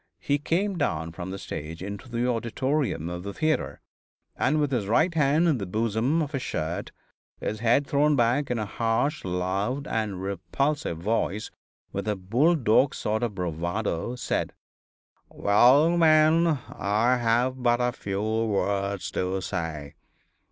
He came down from the stage into the auditorium of the theatre, and with his right hand in the bosom of his shirt, his head thrown back, in a harsh, loud and repulsive voice, with a bull dog sort of bravado, said: "Well, men, I have but a few words to say.